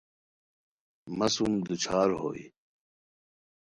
مہ سُم دوچھار ہوئے